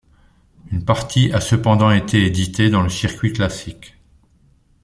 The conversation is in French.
Une partie a cependant été éditée dans le circuit classique.